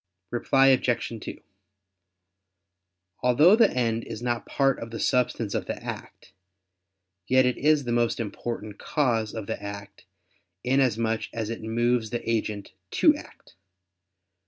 Reply Obj. 2: Although the end is not part of the substance of the act, yet it is the most important cause of the act, inasmuch as it moves the agent to act.